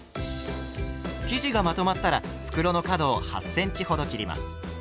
生地がまとまったら袋の角を８ｃｍほど切ります。